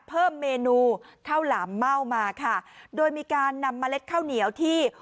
เพิ่มเมนูข้าวหลามเม่ามาค่ะโดยมีการนำเมล็ดข้าวเหนียวที่